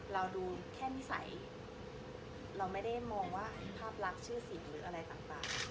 เราดูแค่นิสัยเราไม่ได้มองว่าภาพลักษณ์ชื่อเสียงหรืออะไรต่าง